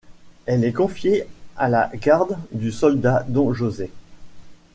Elle est confiée à la garde du soldat Don José.